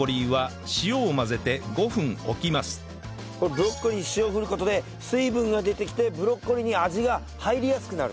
ブロッコリーに塩を振る事で水分が出てきてブロッコリーに味が入りやすくなると。